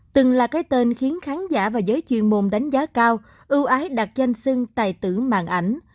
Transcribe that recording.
từng là cái tên khiến khán giả và giới chuyên môn đánh giá cao ưu ái đạt danh sưng tài tử mạng ảnh